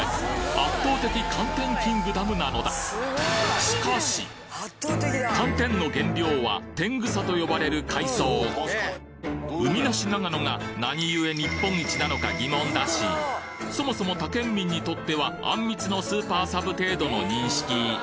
圧倒的「寒天キングダム」なのだ寒天の原料は天草と呼ばれる海藻海なし長野がなにゆえ日本一なのか疑問だしそもそも他県民にとってはあんみつのスーパーサブ程度の認識